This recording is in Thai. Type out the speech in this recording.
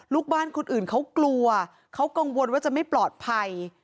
ลูกบ้านคนอื่นเขากลัวเขากังวลว่าจะไม่ปลอดภัย